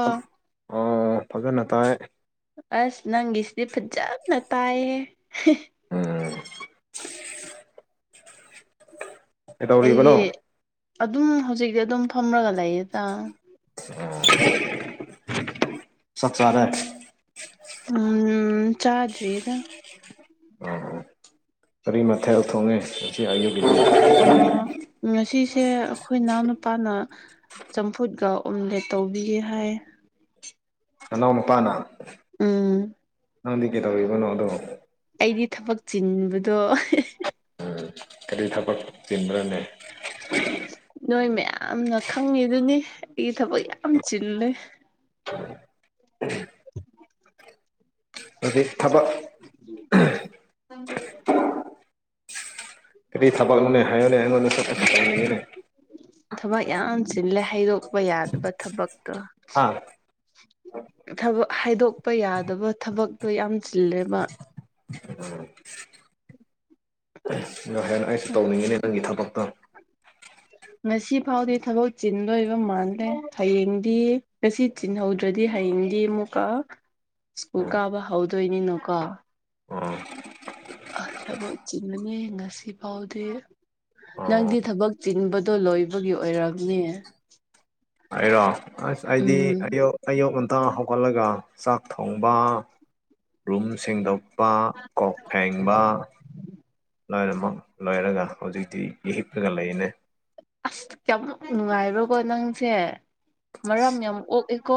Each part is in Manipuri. ꯑꯥ ꯑꯣ ꯐꯖꯅ ꯅꯇꯥꯥꯏ ꯑꯁ ꯅꯪꯒꯤꯁꯤꯗꯤ ꯐꯖꯅ ꯇꯥꯏꯌꯦ ꯎꯝ ꯀꯩꯗꯧꯔꯤꯕꯅꯣ ꯑꯩꯗꯤ ꯑꯗꯨꯝ ꯍꯧꯖꯤꯛꯇꯤ ꯑꯗꯨꯝ ꯐꯝꯃꯒ ꯂꯩꯌꯦꯗ ꯍ ꯁꯇꯥꯔꯠ ꯎꯝ ꯆꯥꯖꯔꯤꯗ ꯑꯣ ꯀꯔꯤ ꯃꯊꯦꯜ ꯊꯣꯡꯉꯦ ꯉ ꯑꯌꯨꯒꯤ ꯑꯣ ꯉꯁꯤꯁꯦ ꯑꯩꯈꯣꯏ ꯏꯅꯥꯎ ꯅꯨꯨꯄꯥꯅ ꯆꯝꯐꯨꯠꯀ ꯑꯣꯝꯂꯦꯠ ꯇꯧꯕꯤꯒꯦ ꯍꯥꯏ ꯅꯅꯥꯎꯅꯨꯄꯥꯅ ꯎꯝ ꯅꯪꯗꯤ ꯀꯩꯗꯧꯔꯤꯕꯅꯣ ꯑꯗꯣ ꯑꯩꯗꯤ ꯊꯕꯛ ꯆꯤꯟꯕꯗꯣ ꯀꯔꯤ ꯊꯕꯛ ꯆꯤꯟꯕ꯭ꯔꯅꯦ ꯅꯣꯏ ꯃꯌꯥꯝꯅ ꯈꯪꯉꯤꯗꯨꯅꯤ ꯑꯩ ꯊꯕꯛ ꯌꯥꯝ ꯆꯤꯂꯦ [inaudible] ꯍꯧꯖꯤꯛ ꯊꯕꯛ [inaudible] ꯀꯔꯤ ꯊꯥꯕꯛꯅꯣꯅꯦ ꯍꯥꯏꯌꯣꯅꯦ ꯑꯩꯉꯣꯟꯗꯁꯨ [unintelligible] ꯊꯕꯛ ꯌꯥꯝ ꯆꯤꯜꯂꯦ ꯍꯥꯏꯗꯣꯛꯄ ꯌꯥꯗꯕ ꯊꯕꯛꯇꯣ ꯍꯥꯥ ꯊꯕꯛ ꯍꯥꯏꯗꯣꯛꯄ ꯌꯥꯗꯕ ꯊꯕꯛꯇꯣ ꯌꯥꯝ ꯆꯤꯜꯂꯦꯕ [unintelligible] ꯑꯗꯣ ꯍꯥꯢꯔꯣ ꯑꯩꯁꯨ ꯇꯧꯅꯤꯡꯉꯤꯅꯦ ꯅꯪꯒꯤ ꯊꯕꯛꯇꯣ ꯉꯁꯤ ꯐꯥꯎꯗꯤ ꯊꯕꯛ ꯆꯤꯟꯗꯣꯢꯕ ꯃꯥꯟꯂꯦ ꯍꯌꯦꯡꯗꯤ ꯉꯁꯤ ꯆꯤꯟꯍꯧꯗ꯭ꯔꯗꯤ ꯍꯌꯦꯡꯗꯤ ꯑꯃꯨꯛꯀ ꯁ꯭ꯀꯨꯜ ꯎꯝ ꯀꯥꯕ ꯍꯧꯗꯣꯏꯅꯤꯅꯀꯣ ꯑꯣ ꯑꯁ ꯊꯕꯛ ꯆꯤꯟꯂꯅꯤ ꯉꯁꯤꯐꯥꯎꯗꯤ ꯑꯣ ꯅꯪꯗꯤ ꯊꯕꯛ ꯆꯤꯟꯕꯗꯣ ꯂꯣꯏꯕꯒꯤ ꯑꯣꯏꯔꯝꯅꯤ ꯑꯩꯔꯣ ꯑꯁ ꯑꯩꯗꯤ ꯎꯝ ꯑꯌꯨꯛ ꯑꯌꯨꯛ ꯉꯟꯇ ꯍꯧꯒꯠꯂꯒ ꯆꯥꯛ ꯊꯣꯡꯕ ꯔꯨꯝ ꯁꯦꯡꯗꯣꯛ ꯄꯥ ꯀꯣꯛ ꯐꯦꯡꯕ ꯂꯣꯏꯅꯃꯛ ꯂꯣꯏꯔꯒ ꯍꯧꯖꯤꯛꯇꯤ ꯍꯤꯞꯂꯒ ꯂꯩꯅꯦ ꯑꯁ ꯌꯥꯝ ꯅꯨꯡꯉꯥꯏꯕ꯭ꯔꯣꯀꯣ ꯅꯪꯁꯦ ꯃꯔꯝ ꯌꯥꯝ ꯑꯣꯛꯑꯦꯀꯣ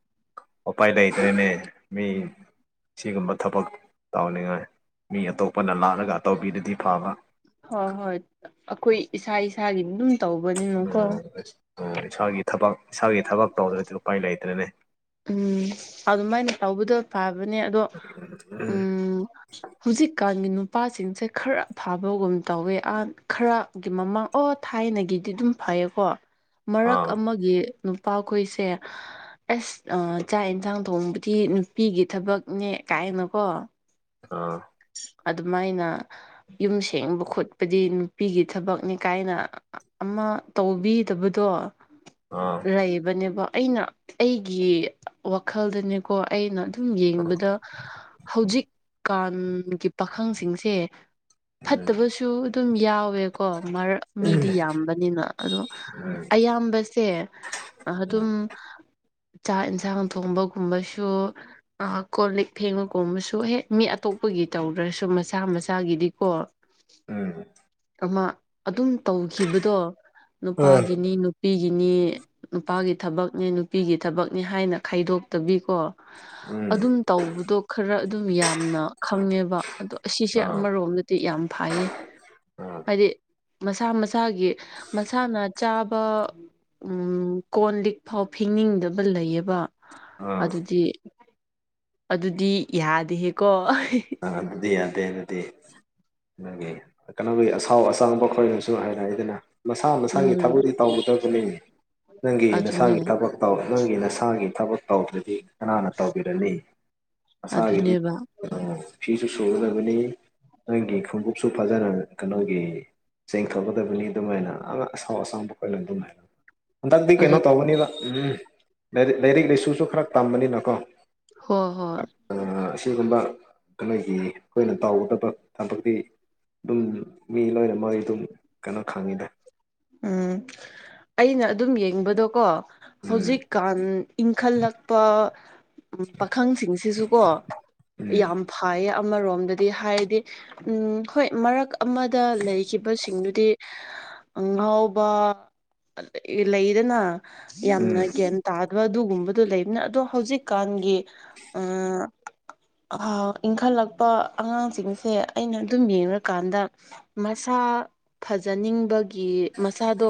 [inaudible] ꯎꯄꯥꯏ ꯂꯩꯇꯦꯅꯦ ꯃꯤ ꯁꯤꯒꯨꯝꯕ ꯊꯕꯛ ꯇꯧꯅꯤꯡꯉꯥꯏ ꯃꯤ ꯑꯇꯣꯞꯄꯅ ꯂꯥꯜꯂꯒ ꯇꯧꯕꯤꯗꯗꯤ ꯐꯥꯕ ꯍꯣꯏ ꯍꯣꯏ ꯑꯈꯣꯏ ꯏꯁꯥ ꯏꯁꯥꯒꯤ [unintelligible] ꯇꯧꯕꯅꯦ ꯎꯝ ꯎꯝ ꯏꯁꯥꯒꯤ ꯊꯕꯛ ꯏꯁꯥꯒꯤ ꯊꯕꯛ ꯇꯧꯗ꯭ꯔꯗꯤ ꯎꯄꯥꯏ ꯂꯩꯇ꯭ꯔꯦꯅꯦ ꯎꯝ ꯑꯗꯨꯃꯥꯏꯅ ꯇꯧꯕꯗꯣ ꯐꯕꯅꯦ ꯑꯗꯣ ꯎꯝ ꯍꯨꯖꯤꯛꯀꯥꯟꯒꯤ ꯅꯨꯄꯥꯁꯤꯡꯁꯦ ꯈꯔ ꯐꯥꯕꯒꯨꯝ ꯇꯧꯋꯦ ꯑꯥ ꯈꯔ ꯒꯤ ꯃꯃꯥꯡ ꯑꯣ ꯊꯥꯏꯅꯒꯤꯗꯤ ꯑꯗꯨꯝ ꯐꯩꯌꯦꯀꯣ ꯃꯔꯛ ꯑꯥ ꯑꯃꯒꯤ ꯅꯨꯄꯥꯈꯣꯏꯁꯦ ꯑꯦꯁ ꯑꯥ ꯆꯥꯛ ꯏꯟꯁꯥꯡ ꯊꯣꯡꯕꯗꯤ ꯅꯨꯄꯤꯒꯤ ꯊꯕꯛꯅꯦ ꯀꯥꯏꯅꯀꯣ ꯑꯥ ꯑꯗꯨꯃꯥꯏꯅ ꯌꯨꯝ ꯁꯦꯡꯕ ꯈꯣꯠꯄꯗꯤ ꯅꯨꯄꯤꯒꯤ ꯊꯕꯛꯅꯤ ꯀꯥꯏꯅ ꯑꯃ ꯇꯧꯕꯤꯗꯕꯗꯣ ꯑꯥ ꯂꯩꯕꯅꯦꯕ ꯑꯩꯅ ꯑꯩꯒꯤ ꯋꯥꯈꯜꯗꯅꯦꯀꯣ ꯑꯩꯅ ꯗꯨꯝ ꯌꯦꯡꯕꯗ ꯍꯧꯖꯤꯛꯀꯥꯟꯒꯤ ꯄꯥꯈꯪꯁꯤꯡꯁꯦ ꯐꯠꯇꯕꯁꯨ ꯑꯗꯨꯝ ꯌꯥꯎꯋꯦꯀꯣ ꯃꯔꯛ ꯃꯤꯗꯤ ꯌꯥꯝꯕꯅꯤꯅ ꯑꯗꯣ ꯎꯝ ꯑꯌꯥꯝꯕꯁꯦ ꯑꯗꯨꯝ ꯆꯥꯛ ꯢꯟꯁꯥꯡ ꯊꯣꯡꯕꯒꯨꯝꯕꯁꯨ ꯑꯥ ꯀꯣꯜ ꯂꯤꯛ ꯐꯦꯡꯕ ꯒꯨꯝꯕꯁꯨ ꯍꯦꯛ ꯃꯤ ꯑꯇꯣꯞ ꯈꯣꯏꯒꯤ ꯇꯧꯗ꯭ꯔꯁꯨ ꯃꯁꯥ ꯃꯁꯥꯒꯤꯗꯤꯀꯣ ꯎꯝ ꯑꯃ ꯑꯗꯨꯝ ꯇꯧꯈꯤꯕꯗꯣ ꯎꯝ ꯅꯨꯄꯥꯒꯤꯅꯤ ꯅꯨꯄꯤꯒꯤꯅꯤ ꯅꯨꯄꯥꯒꯤ ꯊꯕꯛꯅꯤ ꯅꯨꯄꯤꯒꯤ ꯊꯕꯛꯅꯤ ꯍꯥꯏꯅ ꯈꯥꯏꯗꯣꯛꯇꯕꯤꯀꯣ ꯎꯝ ꯑꯗꯨꯝ ꯇꯧꯕꯗꯣ ꯈꯔ ꯑꯗꯨꯝ ꯌꯥꯝꯅ ꯈꯪꯉꯦꯕ ꯑꯗꯣ ꯑꯁꯤꯁꯦ ꯑꯥ ꯑꯥ ꯑꯃꯔꯣꯝꯗꯗꯤ ꯌꯥꯝ ꯐꯩꯌꯦ ꯑꯥ ꯍꯥꯏꯗꯤ ꯃꯁꯥ ꯃꯁꯥꯒꯤ ꯃꯁꯥꯅ ꯆꯥꯕ ꯎꯝ ꯀꯣꯟ ꯂꯤꯛ ꯐꯥꯎ ꯐꯤꯡꯅꯤꯡꯗꯕ ꯂꯩꯌꯦꯕ ꯑꯗꯨꯗꯤ ꯑꯗꯨꯗꯤ ꯌꯥꯗꯦꯍꯦꯀꯣ ꯑ ꯑꯗꯨꯗꯤ ꯌꯥꯗꯦ ꯑꯗꯨꯗꯤ ꯅꯣꯏꯒꯤ ꯀꯩꯅꯣꯒꯤ ꯑꯁꯥꯎ ꯑꯁꯥꯡꯕ ꯈꯣꯏꯅꯁꯨ ꯍꯥꯏꯅ ꯑꯩꯗꯅ ꯃꯁꯥ ꯃꯁꯥꯒꯤ ꯎꯝ ꯊꯕꯛꯇꯗꯤ ꯇꯧꯒꯗꯕꯅꯤꯅꯤ ꯅꯪꯒꯤ ꯑꯗꯨꯅꯦ ꯅꯁꯥꯒꯤ ꯊꯕꯛ ꯇꯧ ꯅꯪꯒꯤ ꯅꯁꯥꯒꯤ ꯊꯕꯛ ꯇꯧꯗ꯭ꯔꯗꯤ ꯀꯅꯥꯅ ꯇꯧꯕꯤꯔꯅꯤ ꯅꯁꯥꯒꯤꯗꯤ ꯑꯗꯨꯅꯦꯕ ꯐꯤꯁꯨ ꯁꯨꯒꯗꯕꯅꯤ ꯅꯪꯒꯤ ꯈꯣꯡꯎꯞꯁꯨ ꯐꯖꯅ ꯀꯩꯅꯣꯒꯤ ꯆꯦꯡꯊꯣꯛꯀꯗꯕꯅꯤ ꯑꯗꯨꯃꯥꯏꯅ ꯑꯥꯡ ꯑꯁꯥꯎ ꯑꯁꯥꯡꯕ ꯑꯣꯏꯅ ꯑꯗꯨꯃꯥꯏꯅ ꯍꯟꯗꯛꯇꯤ ꯑꯗꯨ ꯀꯩꯅꯣ ꯇꯧꯕꯅꯤꯅ ꯎꯝ ꯂꯥꯏꯔꯤꯛ ꯂꯥꯏꯁꯨꯁꯨ ꯈꯔ ꯇꯝꯕꯅꯤꯅꯀꯣ ꯍꯣ ꯍꯣꯏ ꯑꯁꯤꯒꯨꯝꯕ ꯑꯩꯈꯣꯏꯒꯤ ꯑꯩꯈꯣꯏꯅ ꯇꯧꯒꯗꯕ ꯊꯕꯛꯇꯤ ꯑꯗꯨꯝ ꯃꯤ ꯂꯣꯏꯅ ꯃꯣꯏ ꯑꯗꯨꯝ ꯀꯩꯅꯣ ꯈꯪꯉꯤꯗ ꯎꯝ ꯑꯩꯅ ꯑꯗꯨꯝ ꯌꯦꯡꯕꯗꯣꯀꯣ ꯎꯝ ꯍꯧꯖꯤꯛꯀꯥꯟ ꯏꯪꯈꯠꯂꯛꯄ ꯎ ꯄꯥꯈꯪꯁꯤꯡꯁꯤꯁꯨꯀꯣ ꯎꯝ ꯌꯥꯝ ꯐꯥꯏꯌꯦ ꯑꯃꯔꯣꯝꯗꯗꯤ ꯍꯥꯏꯔꯗꯤ ꯎꯝ ꯍꯣꯏ ꯃꯔꯛ ꯑꯃꯗ ꯂꯩꯈꯤꯕꯁꯤꯡꯗꯨ ꯍꯥꯏꯗꯤ ꯑ ꯉꯥꯎꯕ ꯂꯩꯗꯅ ꯌꯥꯝꯅ ꯎꯝ ꯟ ꯇꯥꯗꯕ ꯑꯗꯨꯒꯨꯝꯕꯗꯣ ꯂꯩꯕꯅ ꯑꯗꯣ ꯍꯧꯖꯤꯛꯀꯥꯟꯒꯤ ꯑ ꯏꯟꯈꯠꯂꯛꯄ ꯑꯉꯥꯡꯁꯤꯡꯁꯦ ꯑꯩꯅ ꯑꯗꯨꯝ ꯌꯦꯡꯉꯀꯥꯟꯗ ꯃꯁꯥ ꯐꯖꯅꯤꯡꯕꯒꯤ ꯃꯁꯥꯗꯣ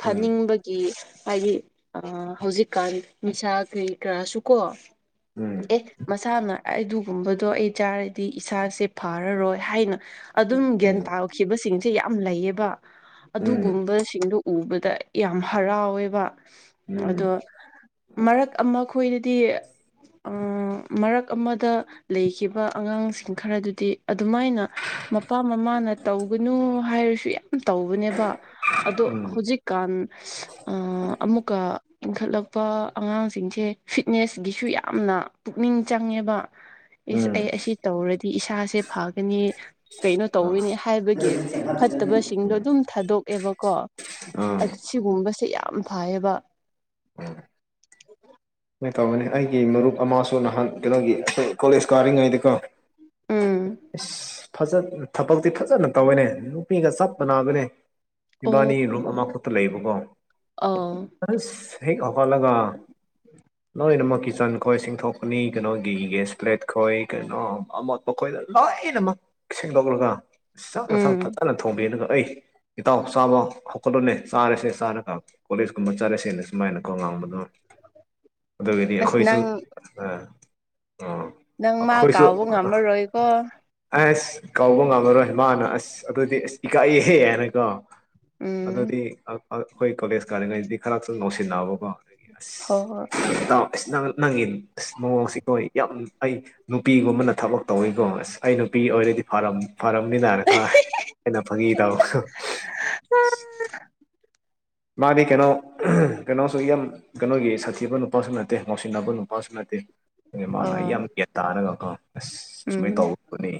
ꯐꯅꯤꯡꯕꯒꯤ ꯍꯥꯏꯗꯤ ꯑ ꯍꯧꯖꯤꯛꯀꯥꯟ ꯅꯤꯁꯥ ꯀꯔꯤ ꯀꯔꯥꯁꯨ ꯀꯣ ꯎꯝ ꯑꯦ ꯃꯁꯥꯅ ꯑꯗꯨꯒꯨꯝꯕꯗꯣ ꯑꯩ ꯆꯥꯔꯗꯤ ꯏꯁꯥꯁꯦ ꯐꯔꯔꯣꯏ ꯍꯥꯏꯅ ꯑꯗꯨꯝ ꯎꯝ ꯒ꯭ꯌꯥꯟ ꯇꯥꯈꯤꯕꯁꯤꯡꯁꯦ ꯌꯥꯝ ꯂꯩꯌꯦꯕ ꯎꯝ ꯑꯗꯨꯒꯨꯝꯕꯁꯤꯡꯗꯨ ꯎꯕꯗ ꯌꯥꯝ ꯍꯔꯥꯎꯋꯦꯕ ꯎꯝ ꯑꯗꯣ ꯃꯔꯛ ꯑꯃ ꯑꯩꯈꯣꯏꯗꯗꯤ ꯃꯔꯛ ꯑꯃꯗ ꯂꯩꯈꯤꯕ ꯑꯉꯥꯡꯁꯤꯡ ꯈꯔꯗꯨꯗꯤ ꯑꯗꯨꯃꯥꯏꯅ ꯃꯄꯥ ꯃꯃꯥꯅ ꯇꯧꯒꯅꯨ ꯍꯥꯏꯔꯁꯨ ꯌꯥꯝ ꯇꯧꯕꯅꯦꯕ ꯑꯗꯣ ꯎꯝ ꯎꯝ ꯍꯧꯖꯤꯛ ꯀꯥꯟ ꯑꯃꯨꯛꯀ ꯏꯟꯈꯠꯂꯛꯄ ꯑꯉꯥꯡꯁꯤꯡꯁꯦ ꯐꯤꯠꯅꯦꯁꯀꯤꯁꯨ ꯌꯥꯝꯅ ꯄꯨꯛꯅꯤꯡ ꯆꯪꯉꯦꯕ ꯏꯁ ꯎꯝ ꯑꯩ ꯑꯁꯤ ꯇꯧꯔꯗꯤ ꯏꯁꯥꯁꯦ ꯐꯒꯅꯤ ꯀꯩꯅꯣ ꯑ ꯇꯧꯋꯅꯤ ꯍꯥꯏꯕꯒꯤ ꯐꯠꯇꯕꯁꯤꯡꯗꯣ ꯑꯥ ꯑꯗꯨꯝ ꯊꯥꯗꯣꯛꯑꯦꯕꯀꯣ ꯑꯥ ꯁꯤꯒꯨꯝꯕꯁꯦ ꯌꯥꯝ ꯐꯩꯌꯦꯕ ꯎꯝ ꯁꯨꯃꯥꯏꯅ ꯇꯧꯕꯅꯤ ꯑꯩꯒꯤ ꯃꯔꯨꯞ ꯑꯃꯁꯨ ꯅꯍꯥꯟ ꯀꯩꯅꯣꯒꯤ ꯑꯩꯈꯣꯏ ꯀꯣꯂꯦꯖ ꯀꯥꯔꯤꯉꯩꯗꯀꯣ ꯎꯝ ꯏꯁꯁ ꯐꯖ ꯊꯕꯛꯇꯤ ꯐꯖꯅ ꯇꯧꯋꯦꯅꯦ ꯅꯨꯄꯤꯒ ꯆꯞ ꯃꯥꯟꯅꯕꯅꯦ ꯏꯕꯥꯅꯤ ꯑꯣ ꯔꯨꯝ ꯑꯃꯈꯛꯇ ꯂꯩꯕꯀꯣ ꯑꯥ ꯑꯁ ꯍꯦꯛ ꯍꯧꯒꯠꯂꯒ ꯂꯣꯏꯅꯃꯛ ꯀꯤꯠꯆꯟ ꯈꯣꯏ ꯁꯤꯡꯊꯣꯛꯄꯅꯤ ꯀꯩꯅꯣꯒꯤ ꯒꯦꯁ꯭ꯂꯦꯠ ꯈꯣꯏ ꯀꯩꯅꯣ ꯑꯃ ꯃꯈꯣꯏꯗ ꯂꯣꯏꯅꯃꯛ ꯁꯦꯡꯗꯣꯛꯂꯒ ꯆꯥꯛ ꯢꯟꯁꯛ ꯎꯝ ꯐꯖꯅ ꯊꯣꯡꯕꯤꯔꯒ ꯑꯩ ꯏꯇꯥꯎ ꯆꯥꯕ ꯍꯧꯀꯠꯂꯣꯅꯦ ꯆꯥꯔꯁꯦ ꯆꯥꯔꯒ ꯀꯣꯂꯦꯖ ꯑꯃꯨꯛ ꯆꯥꯠꯂꯁꯦꯅ ꯁꯨꯃꯥꯏꯅꯀꯣ ꯉꯥꯡꯕꯗꯣ ꯑꯗꯨꯗꯤ ꯑꯁ ꯑꯩꯈꯣꯏꯁꯨ ꯅꯪ ꯑ ꯑ ꯅꯪ ꯃꯥ ꯀꯥꯎꯕ ꯉꯝꯃꯔꯣꯏꯀꯣ ꯑꯁ ꯀꯥꯎꯕ ꯉꯝꯃꯔꯣꯏ ꯃꯥꯅ ꯑꯁ ꯑꯗꯨꯗꯤ ꯑꯁ ꯏꯀꯥꯏꯑꯦꯍꯦ ꯍꯥꯏꯅ ꯀꯣ ꯎꯝ ꯑꯗꯨꯗꯤ ꯑꯩꯈꯣꯏ ꯀꯣꯂꯦꯖ ꯀꯥꯔꯤꯉꯩꯗꯗꯤ ꯈꯔꯇꯪ ꯉꯧꯁꯤꯟꯅꯑꯕꯀꯣ ꯑꯗꯨꯗꯒꯤ ꯑꯁ ꯍꯣꯏ ꯍꯣꯏ ꯥꯑꯁ ꯏꯇꯥꯎ ꯅꯪ ꯅꯪꯒꯤ ꯑꯁ ꯃꯌꯣꯡꯁꯤ ꯀꯣꯏ ꯌꯥꯝ ꯑꯩ ꯅꯨꯄꯤꯒꯨꯝꯕꯅ ꯊꯕꯛ ꯇꯧꯋꯤꯀꯣ ꯑꯁ ꯑꯩ ꯅꯨꯄꯤ ꯑꯣꯏꯔꯗꯤ ꯐꯥꯔꯝꯃꯤ ꯐꯔꯝꯃꯤꯅ ꯑ ꯑꯩꯅ ꯐꯥꯒꯤ ꯇꯧꯕꯗꯨ ꯃꯥꯗꯤ ꯀꯩꯅꯣ ꯀꯩꯅꯣꯁꯨ ꯌꯥꯝ ꯀꯩꯅꯣꯒꯤ ꯁꯥꯊꯤꯕ ꯅꯨꯄꯥꯁꯨ ꯅꯠꯇꯦ ꯉꯥꯎꯁꯤꯟꯅꯕ ꯅꯨꯄꯥꯁꯨ ꯅꯠꯇꯦ ꯑ ꯃꯥꯅ ꯑꯩ ꯑꯥ ꯌꯥꯝ ꯒ꯭ꯌꯥ ꯇꯥꯅꯒꯀꯣ ꯑꯁ ꯁꯨꯃꯥꯏꯅ ꯎꯝ ꯇꯧ ꯈꯨꯠꯅꯤ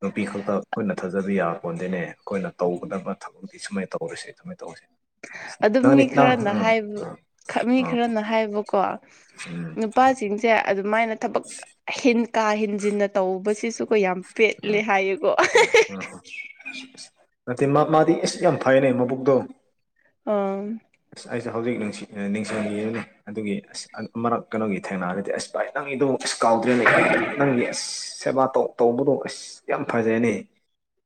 ꯅꯨꯄꯤ ꯈꯛꯇ ꯑꯨꯈꯣꯢꯅ ꯊꯥꯖꯕ ꯌꯥꯕ ꯄꯣꯟꯇꯦꯅꯦ ꯑꯩꯈꯣꯏꯅ ꯇꯧꯒꯗꯕ ꯊꯕꯛꯇꯤ ꯁꯨꯃꯥꯏꯅ ꯇꯧꯔꯁꯦ ꯑꯗꯨꯃꯥꯏꯅ ꯇꯧꯁꯦ ꯑꯗꯨꯝ ꯃꯤ ꯈꯔꯅ ꯍꯥꯏꯕ ꯃꯤ ꯎꯝ ꯈꯔꯅ ꯍꯥꯏꯕꯀꯣ ꯅꯨꯄꯥꯁꯤꯡꯁꯦ ꯑꯗꯨꯃꯥꯏꯅ ꯊꯕꯛ ꯀꯥ ꯍꯦꯟꯖꯤꯟꯅ ꯇꯧꯕꯁꯤꯁꯨ ꯀ ꯌꯥꯝ ꯄꯦꯠꯂꯦ ꯍꯥꯏꯌꯦꯀꯣ ꯑꯁ ꯅꯠꯇꯦ ꯃꯥꯗꯤ ꯑꯁ ꯌꯥꯝ ꯐꯩꯅꯦ ꯃꯕꯨꯛꯇꯣ ꯑꯥ ꯑꯁ ꯑꯩꯁꯨ ꯍꯧꯖꯤꯛ ꯅꯤꯡꯁꯤꯡ ꯅꯤꯡꯁꯤꯡꯂꯛꯑꯦ ꯑꯗꯨꯒꯤ ꯑꯁ ꯃꯔꯛ ꯀꯩꯅꯣꯒꯤ ꯊꯦꯡꯅꯥ ꯂꯩꯗꯤ ꯑꯁ ꯚꯥꯏ ꯅꯪꯒꯤꯗꯨ ꯑꯁ ꯀꯥꯎꯗ꯭ꯔꯦꯅꯦ ꯅꯪꯒꯤ ꯑꯁ ꯁꯦꯕꯥ ꯇꯧ ꯇꯧꯕꯗꯣ ꯑꯁ ꯌꯥꯝ ꯐꯖꯩꯅꯦ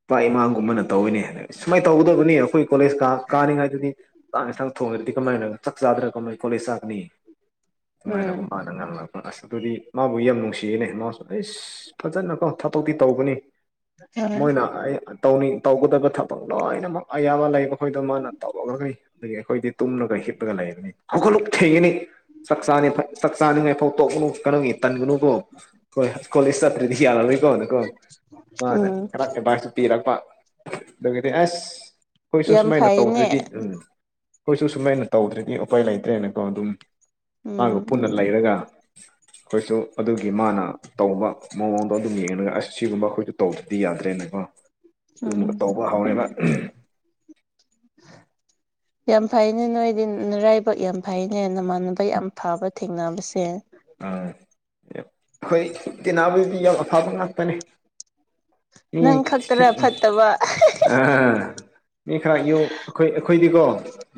ꯏꯄꯥ ꯏꯃꯥ ꯒꯨꯝꯕꯅ ꯇꯧꯋꯤꯅꯦ ꯁꯨꯃꯥꯏ ꯇꯧꯒꯗꯕꯅꯤ ꯑꯈꯣꯏ ꯀꯣꯂꯦꯖ ꯀꯥꯅꯤꯡꯉꯥꯏꯗꯨꯗꯤ [unintelligible] ꯊꯣꯡꯉꯗꯤ ꯀꯃꯥꯏꯅ ꯆꯥꯛ ꯆꯥꯗꯅ ꯀꯃꯥꯏ ꯀꯣꯂꯦꯖ ꯆꯥꯀꯅꯤ ꯎꯝ ꯑꯗꯨꯃꯥꯏꯅꯒ ꯃꯥꯥ [unintelligible] ꯑꯁ ꯑꯗꯨꯗꯤ ꯃꯥꯕꯨ ꯌꯥꯝ ꯅꯨꯡꯁꯤꯌꯦꯅꯦ ꯃꯥꯁꯨ ꯑꯩꯁ ꯐꯖꯅꯀꯣ ꯊꯕꯛꯇꯤ ꯇꯧꯕꯅꯤ ꯍꯣꯏ ꯃꯣꯏꯅ ꯑꯩ ꯇꯧꯅꯤ ꯇꯧꯒꯗꯕ ꯊꯥ ꯂꯣꯏꯅꯃꯛ ꯑꯌꯥꯕ ꯂꯩꯕ ꯈꯣꯏꯗꯣ ꯃꯥꯅ ꯇꯧ [unintelligible] ꯑꯗꯒꯤ ꯑꯈꯣꯏꯗꯤ ꯇꯨꯝꯂꯒ ꯍꯤꯞꯂꯒ ꯂꯩꯕꯅꯤ ꯍꯧꯒꯠꯂꯨ ꯊꯦꯡꯉꯦꯅꯦ ꯆꯥꯛ ꯆꯥꯅꯤ ꯆꯥꯛ ꯆꯥꯅꯤꯡꯉꯥꯏ ꯐꯧ ꯇꯧꯒꯅꯨ ꯀꯩꯅꯣꯒꯤ ꯇꯟꯒꯅꯨꯀꯣ [unintelligible] ꯀꯣꯂꯤꯁ ꯆꯠꯇ꯭ꯔꯤꯗꯤ ꯌꯔꯣꯏꯀꯣ ꯃꯥꯅ ꯎꯝ ꯈꯔ ꯑꯦꯗꯕꯥꯢꯁ ꯄꯤꯔꯛꯄ ꯑꯗꯨꯒꯗꯤ ꯑꯁ ꯑꯈꯣꯏꯁꯨ ꯌꯥꯝ ꯁꯨꯃꯥꯏꯅ ꯐꯩꯅꯦ ꯇꯧꯗ꯭ꯔꯗꯤ ꯎꯝ ꯑꯈꯣꯏꯁꯨ ꯁꯨꯃꯥꯏꯅ ꯇꯧꯗ꯭ꯔꯗꯤ ꯎꯄꯥꯏ ꯂꯩꯇ꯭ꯔꯦꯅꯦꯀꯣ ꯑꯗꯨꯝ ꯃꯥꯒ ꯎꯝ ꯄꯨꯟꯅ ꯂꯩꯔꯒ ꯑꯩꯈꯣꯏꯁꯨ ꯑꯗꯨꯒꯤ ꯃꯥꯅ ꯇꯧꯕ ꯃꯑꯣꯡ ꯑꯣ ꯑꯗꯨꯝ ꯌꯦꯡꯉꯒ ꯑꯁ ꯁꯤꯒꯨꯝꯕ ꯑꯩꯈꯣꯏꯁꯨ ꯇꯧꯗꯗꯤ ꯌꯥꯗ꯭ꯔꯦꯅꯀꯣ ꯑꯗꯨꯝ ꯎꯝ ꯇꯧꯕ ꯍꯧꯎꯋꯦꯕ [unintelligible] ꯌꯥꯝ ꯐꯩꯅꯦ ꯅꯣꯏꯗꯤꯅꯥꯔꯥꯏꯕꯛ ꯌꯥꯝ ꯐꯩꯅꯦ ꯅꯃꯥꯟꯅꯕ ꯌꯥꯝ ꯐꯕ ꯊꯦꯡꯅꯕꯁꯦ ꯎꯝ ꯑꯩꯈꯣꯏ ꯇꯦꯟꯅꯕꯗꯨꯗꯤ ꯌꯥꯝ ꯑꯐꯕ ꯉꯥꯛꯇꯅꯦ ꯅꯪ ꯈꯛꯇꯥꯔꯥ ꯐꯠꯇꯕ ꯑ ꯃꯤ ꯈꯔ ꯌꯨ ꯑꯩꯈꯣꯏ ꯑꯩꯈꯣꯏꯗꯤꯀꯣ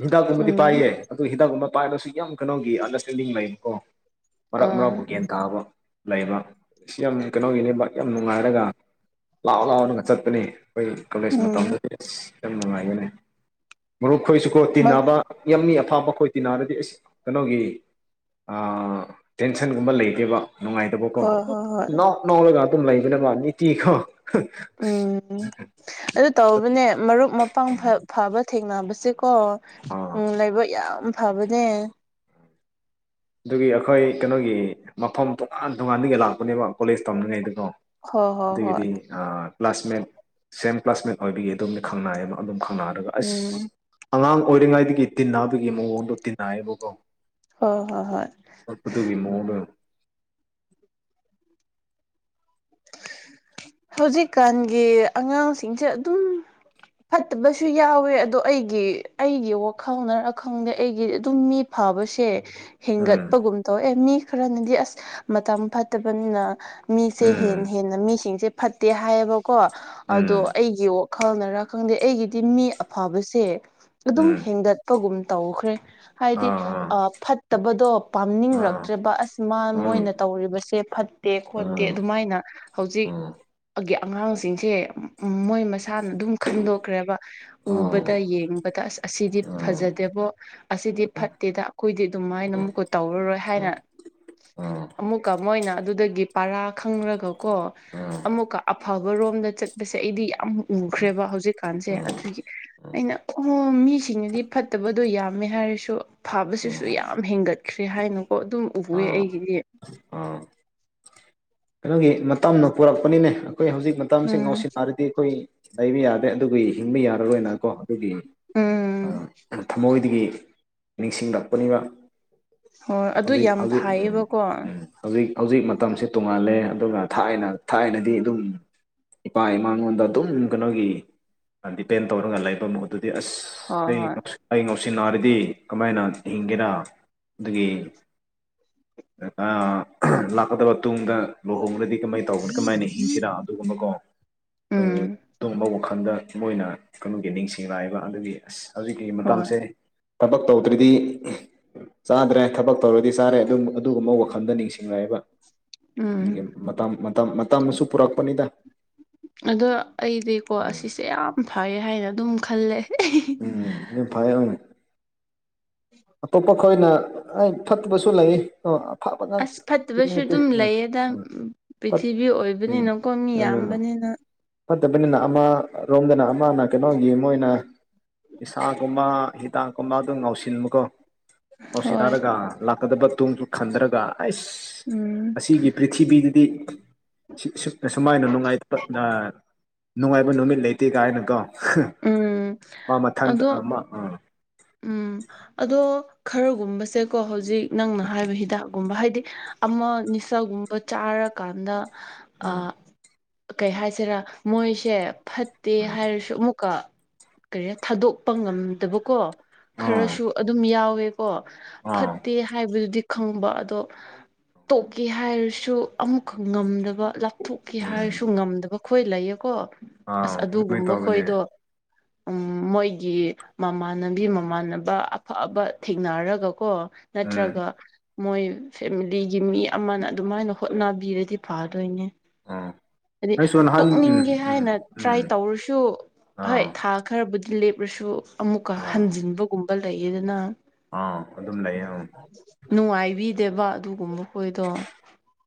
ꯍꯤꯗꯥꯛꯀꯨꯝꯕꯗꯤ ꯎꯝ ꯄꯥꯏꯌꯦ ꯑꯗꯣ ꯍꯤꯗꯥꯛꯀꯨꯝꯕ ꯄꯥꯏꯔꯒꯁꯨ ꯌꯥꯝ ꯀꯩꯅꯣꯒꯤ ꯑꯟꯗꯔꯁꯇꯦꯟꯗꯤꯡ ꯂꯩꯕꯀꯣ ꯃꯔꯥꯛ ꯃꯔꯥꯛꯄ ꯑꯥ ꯒ꯭ꯌꯥꯟ ꯇꯥꯕ ꯂꯩꯕ ꯁꯤ ꯌꯥꯝ ꯀꯩꯅꯣꯒꯤꯅꯦꯕꯥꯛ ꯌꯥꯝ ꯅꯨꯡꯉꯥꯏꯔꯒ ꯂꯥꯎ ꯂꯥꯎꯅꯒ ꯆꯠꯄꯅꯤ ꯑꯩꯈꯣꯏ ꯀꯣꯂꯦꯖ ꯎꯝ ꯃꯇꯝꯗꯗꯤ ꯑꯁ ꯌꯥꯝ ꯅꯨꯡꯉꯥꯏꯒꯅꯤ ꯃꯔꯨꯞ ꯈꯣꯏꯁꯨꯀꯣ ꯇꯤꯟꯅꯕ ꯌꯥꯝꯃꯤ ꯑꯐꯥꯞꯕ ꯈꯣꯏ ꯇꯤꯟꯅꯔꯗꯤ ꯑꯩꯁ ꯀꯩꯅꯣꯒꯤ ꯑ ꯇꯦꯟꯁꯟꯒꯨꯝꯕ ꯂꯩꯇꯦꯕ ꯅꯨꯡꯉꯥꯏꯇꯕꯀꯣ ꯍꯣꯏ ꯑꯗꯨꯝ ꯍꯣꯏ ꯍꯣꯏ ꯅꯣꯛ ꯅꯣꯛꯑꯒ ꯑꯗꯨꯝ ꯂꯩꯕꯅꯕ ꯅꯤꯇꯤ ꯈꯣ ꯎꯝ [unintelligible] ꯑꯗꯨ ꯇꯧꯕꯅꯦ ꯃꯔꯨꯞ ꯃꯄꯥꯡ ꯐꯕ ꯊꯦꯡꯅꯕꯁꯦꯀꯣ ꯑꯥ ꯎꯝ ꯂꯥꯏꯕꯛ ꯌꯥꯝ ꯐꯕꯅꯦ ꯑꯗꯨꯒꯤ ꯑꯩꯈꯣꯏ ꯀꯩꯅꯣꯒꯤ ꯃꯐꯝ ꯇꯣꯉꯥꯟ ꯇꯣꯉꯥꯟꯗꯒꯤ ꯂꯥꯛꯄꯅꯦꯕ ꯀꯣꯂꯦꯖ ꯇꯝꯂꯤꯉꯩꯗꯀꯣ ꯍꯣꯏ ꯍꯣꯏ ꯍꯣꯏ ꯑꯗꯨꯒꯤꯗꯤ ꯑ ꯀ꯭ꯂꯥꯁꯃꯦꯠ ꯁꯦꯝ ꯀ꯭ꯂꯥꯁꯃꯦꯠ ꯑꯣꯏꯕꯒꯤ ꯑꯗꯨꯝꯅꯤ ꯈꯪꯅꯌꯦꯕ ꯑꯗꯨꯝ ꯈꯪꯅꯔꯒ ꯑꯁ ꯎꯝ ꯑꯉꯥꯡ ꯑꯣꯏꯔꯤꯉꯩꯗꯒꯤ ꯇꯤꯟꯅꯕꯒꯤ ꯃꯑꯣꯡꯗꯣ ꯇꯤꯟꯅꯑꯌꯦꯕꯀꯣ ꯍꯣꯏ ꯍꯣꯏ ꯍꯣꯏ ꯑꯣꯄ ꯑꯇꯨꯒꯤ ꯃꯑꯣꯛꯗ ꯍꯧꯖꯤꯛꯀꯥꯟꯒꯤ ꯑꯉꯥꯡꯁꯤꯡꯁꯦ ꯑꯗꯨꯝ ꯐꯠꯇꯕꯁꯨ ꯌꯥꯎꯋꯦ ꯑꯗꯣ ꯑꯩꯒꯤ ꯑꯩꯒꯤ ꯋꯥꯈꯪꯅꯔꯈꯪꯗꯦ ꯑꯩꯒꯤꯗꯤ ꯑꯗꯨꯝ ꯐꯕꯁꯦ ꯎꯝ ꯍꯦꯟꯒꯠꯄꯒꯨꯝ ꯇꯧ ꯑꯦ ꯃꯤ ꯈꯔꯅꯗꯤ ꯑꯁ ꯃꯇꯝ ꯐꯠꯇꯕꯅꯤꯅ ꯃꯤꯁꯦ ꯍꯦꯟ ꯎꯝ ꯍꯦꯟꯅ ꯃꯤꯁꯤꯡꯁꯦ ꯐꯠꯇꯦ ꯍꯥꯏꯌꯦꯕꯀꯣ ꯎꯝ ꯑꯗꯣ ꯑꯩꯒꯤ ꯈꯪꯅꯔꯥ ꯈꯪꯗꯦ ꯑꯩꯒꯤꯗꯤ ꯃꯤ ꯑꯐꯕꯁꯦ ꯑꯗꯨꯝ ꯎꯝ ꯍꯦꯟꯒꯠ ꯐꯠꯄꯒꯨꯝ ꯇꯧꯈ꯭ꯔꯦ ꯍꯥꯏꯗꯤ ꯑꯥ ꯑꯥ ꯐꯠ ꯐꯠꯇꯕꯗꯣ ꯑꯥ ꯄꯥꯝꯅꯤꯡꯔꯛꯇ꯭ꯔꯦꯕ ꯑꯁ ꯃꯥ ꯃꯣꯏꯅ ꯇꯧꯔꯤꯕꯁꯦ ꯐꯠꯇꯦ ꯈꯣꯠꯇꯦ ꯑꯗꯨꯃꯥꯏꯅ ꯍꯧꯖꯤꯛ ꯑꯉꯥꯡꯁꯤꯡꯁꯦ ꯃꯣꯏ ꯃꯁꯥꯅ ꯑꯗꯨꯝ ꯈꯟꯗꯣꯛꯈ꯭ꯔꯦꯕ ꯎꯕꯗ ꯌꯦꯡꯕꯗ ꯑꯁ ꯑꯁꯤꯗꯤ ꯐꯖꯗꯦꯕꯣ ꯑꯁꯤꯗꯤ ꯐꯠꯇꯦꯗ ꯑꯩꯈꯣꯏꯗꯤ ꯑꯗꯨꯃꯥꯏꯅ ꯑꯃꯨꯛꯀ ꯇꯧꯔꯔꯣꯏ ꯍꯥꯏꯅ ꯑꯃꯨꯛꯀ ꯃꯣꯏꯅ ꯑꯗꯨꯗꯒꯤ ꯄꯔꯥ ꯈꯪꯔꯒ ꯀꯣ ꯑꯃꯨꯛꯀ ꯑꯐꯕꯔꯣꯝꯗ ꯆꯠ ꯑꯁꯦ ꯑꯩꯗꯤ ꯌꯥꯝ ꯎꯈ꯭ꯔꯦꯕ ꯍꯧꯖꯤꯛꯀꯥꯟꯁꯦ ꯑꯗꯨꯒꯤ ꯑꯩꯅ ꯑꯣ ꯃꯤꯁꯤꯡꯅꯗꯤ ꯐꯠꯇꯕꯗꯣ ꯌꯥꯝꯃꯦ ꯍꯥꯏꯔꯁꯨ ꯐꯕꯁꯤꯁꯨ ꯌꯥꯝ ꯍꯦꯟꯒꯠ ꯈ꯭ꯔꯦ ꯍꯥꯏꯅꯀꯣ ꯑꯗꯨꯝ ꯎꯋꯦ ꯑꯥ ꯑꯩꯒꯤꯗꯤ ꯑ ꯀꯩꯅꯣꯒꯤ ꯃꯇꯝꯅꯣ ꯄꯨꯔꯛꯄꯅꯤꯅꯦ ꯑꯩꯈꯣꯏ ꯍꯧꯖꯤꯛ ꯃꯇꯝꯁꯤ ꯎꯝ ꯉꯥꯎꯁꯤꯟꯅꯔꯗꯤ ꯑꯩꯈꯣꯏ ꯂꯩꯕ ꯌꯥꯗꯦ ꯑꯗꯨ ꯍꯤꯡꯕ ꯌꯥꯔꯔꯣꯏꯅꯀꯣ ꯑꯩꯈꯣꯏꯒꯤ ꯎꯝ ꯊꯃꯣꯏꯗꯒꯤ ꯅꯤꯡꯁꯤꯡꯂꯛꯄꯅꯤꯕ ꯍꯣꯏ ꯑꯗꯨ ꯍꯧꯖꯤꯛ ꯌꯥꯝ ꯍꯧꯖꯤꯛ ꯎꯝ, ꯐꯥꯏꯌꯦꯕꯀꯣ ꯎꯝ. ꯍꯧꯖꯤꯛ ꯍꯧꯖꯤꯛ ꯃꯇꯝꯁꯤ ꯇꯣꯡꯉꯥꯜꯂꯦ ꯑꯗꯨꯒ ꯊꯥꯏꯅ ꯊꯥꯏꯅꯗꯤ ꯑꯗꯨꯝ ꯏꯄꯥ ꯏꯃꯥꯉꯣꯟꯗ ꯑꯗꯨꯝ ꯀꯩꯅꯣꯒꯤ ꯗꯤꯄꯦꯟ ꯇꯧꯔꯒ ꯂꯩꯕ ꯃꯨꯠꯇꯗꯤ ꯑꯁ ꯑꯩ ꯍꯣꯏ ꯑꯩ ꯉꯥꯎꯁꯤ ꯅꯥꯔꯗꯤ ꯀꯃꯥꯏꯅ ꯍꯤꯡꯒꯦꯔ ꯑꯗꯨꯒꯤ ꯂꯥꯛꯀꯗꯕ ꯇꯨꯡꯗ ꯂꯨꯍꯣꯡ꯭ꯔꯗꯤ ꯀꯃꯥꯏꯅ ꯇꯧꯕꯅꯣ ꯀꯃꯥꯏꯅ ꯍꯤꯡꯁꯤꯔ ꯑꯗꯨꯒꯨꯝꯕꯀꯣ ꯎꯝ ꯇꯨꯝꯕ ꯋꯥꯈꯜꯗ ꯃꯣꯏꯅ ꯀꯩꯅꯣꯒꯤ ꯅꯤꯡꯁꯤꯡꯂꯛꯑꯏꯕ ꯑꯗꯨꯒꯤ ꯑꯁ ꯍꯧꯖꯤꯛꯀꯤ ꯍꯣꯏ ꯃꯇꯝꯁꯦ ꯊꯕꯛ ꯇꯧꯗ꯭ꯔꯤꯗꯤ ꯆꯥꯗ꯭ꯔꯦ ꯊꯕꯛ ꯇꯧꯔꯗꯤ ꯆꯥꯔꯦ ꯑꯗꯨꯝ ꯑꯗꯨꯒꯨꯝꯕ ꯋꯥꯈꯜꯗ ꯅꯤꯡꯁꯤꯡꯉꯛꯑꯦꯕ ꯑꯗꯨꯒꯤ ꯎꯝ ꯃꯇꯥꯝ ꯃꯇꯝ ꯃꯇꯝꯁꯨ ꯄꯨꯔꯛꯄꯅꯤꯗ ꯑꯗꯣ ꯑꯩꯗꯤꯀꯣ ꯎꯝ ꯑꯁꯤꯁꯦ ꯌꯥꯝ ꯐꯩ ꯍꯥꯏꯅ ꯑꯗꯨꯝ ꯈꯜꯂꯦ ꯎꯝ ꯏꯐꯥꯏ ꯑꯝ ꯑꯇꯣꯞꯄ ꯈꯣꯏꯅ ꯑꯩ ꯐꯠꯇꯕꯁꯨ ꯂꯩ ꯑꯐꯕ ꯑꯁ ꯉꯥꯛꯇ ꯐꯠꯇꯕꯁꯨ ꯅꯠꯇꯦ ꯑꯗꯨꯝ ꯎꯝ ꯂꯩꯌꯦꯗ ꯎꯝ ꯐꯠ ꯄ꯭ꯔꯤꯊꯤꯕꯤ ꯎꯝ ꯑꯣꯏꯕꯅꯤꯅ ꯀꯣꯟ ꯃꯤ ꯎꯝ ꯌꯥꯝꯕꯅꯤꯅ ꯐꯠꯇꯕꯅꯤꯅ ꯑꯃ ꯔꯣꯝꯗꯅ ꯑꯃꯅ ꯀꯩꯅꯣꯒꯤ ꯃꯣꯏꯅ ꯏꯁꯥꯒꯨꯝꯕ ꯍꯤꯗꯥꯛꯀꯨꯝꯕ ꯑꯗꯨꯝ ꯉꯥꯎꯁꯤ ꯃꯨꯀꯣ ꯍꯣꯏ ꯑꯣꯁꯤꯟꯅꯔꯒ ꯂꯥꯛꯀꯗꯕ ꯇꯨꯡꯁꯨ ꯈꯟꯊꯔꯒ ꯑꯩꯁ ꯎꯝ ꯑꯁꯤꯒꯤ ꯄ꯭ꯔꯤꯊꯤꯕꯤꯗꯗꯤ ꯁꯨꯃꯥꯏꯅ ꯅꯨꯡꯉꯥꯏ ꯅꯨꯡꯉꯥꯏꯕ ꯅꯨꯃꯤꯠ ꯂꯩꯇꯦ ꯀꯥꯏꯅꯀꯣ ꯎꯝ ꯃꯥ ꯃꯊꯟꯗ ꯑ ꯑꯗꯣ ꯑ ꯎꯝ ꯑꯗꯣ ꯈꯔꯒꯨꯝꯕꯁꯦꯀꯣ ꯍꯧꯖꯤꯛ ꯅꯪꯅ ꯍꯥꯏꯕ ꯍꯤꯗꯥꯛꯀꯨꯝꯕ ꯍꯥꯏꯗꯤ ꯑꯃ ꯅꯤꯁꯥꯒꯨꯝꯕ ꯆꯥꯔꯀꯥꯟꯗ ꯑ ꯎꯝ ꯀꯩ ꯍꯥꯏꯁꯤꯔꯥ ꯃꯣꯏꯁꯦ ꯐꯠꯇꯦ ꯍꯥꯏꯔꯁꯨ ꯑꯃꯨꯛꯀ ꯀꯔꯤ ꯊꯥꯗꯣꯛꯄ ꯉꯝꯗꯕꯀꯣ ꯎꯝ ꯑꯥ ꯈꯔꯁꯨ ꯑꯗꯨꯝ ꯌꯥꯎꯋꯦ ꯀꯣ ꯑꯥ ꯐꯠꯇꯦ ꯍꯥꯏꯕꯗꯨꯗꯤ ꯈꯪꯕ ꯑꯗꯣ ꯇꯣꯛꯀꯦ ꯍꯥꯏꯔꯁꯨ ꯑꯃꯨꯛꯈ ꯉꯝꯗꯕ ꯂꯥꯞ ꯂꯥꯞꯊꯣꯛꯀꯦ ꯎꯝ ꯍꯥꯏꯔꯁꯨ ꯉꯝꯗꯕ ꯈꯣꯏ ꯂꯩꯌꯦꯀꯣ ꯑꯥ ꯑꯁ ꯑꯗꯨꯃꯥꯏꯅ ꯑꯗꯨꯒꯨꯝꯕ ꯇꯧꯕꯅꯦ ꯈꯣꯏꯗꯣ ꯎꯝ ꯃꯣꯏꯒꯤ ꯃꯃꯥꯟꯅꯕꯤ ꯃꯝ ꯃꯃꯥꯟꯅꯕ ꯑꯐꯕ ꯊꯦꯡꯅꯔꯒꯀꯣ ꯎꯝ ꯅꯠꯇ꯭ꯔꯒ ꯃꯣꯏ ꯐꯦꯃꯤꯂꯤꯒꯤ ꯃꯤ ꯑꯃꯅ ꯑꯗꯨꯃꯥꯏꯅ ꯍꯣꯠꯅꯕꯤꯔꯗꯤ ꯐꯗꯣꯏꯅꯦ ꯑꯥ ꯍꯥꯏꯗꯤ ꯑꯩꯁꯨ ꯅꯍꯥꯟ ꯎꯝ ꯇꯣꯛꯅꯤꯡꯒꯦ ꯎꯝ ꯍꯥꯏꯅ ꯎꯝ ꯇ꯭ꯔꯥꯏ ꯇꯧꯔꯁꯨ ꯍꯣꯏ ꯑꯥ ꯊꯥ ꯈꯔꯕꯨꯗꯤ ꯂꯦꯞꯂꯁꯨ ꯑꯃꯨꯛꯀ ꯑꯥ ꯍꯟꯖꯤꯟꯕꯒꯨꯝꯕ ꯂꯩꯌꯦꯗꯅ ꯑꯥ ꯑꯗꯨꯝ ꯂꯩꯌꯦ ꯑꯪ ꯅꯨꯡꯉꯥꯏꯕꯤꯗꯦꯕ ꯑꯗꯨꯒꯨꯝꯕ ꯈꯣꯏꯗꯣ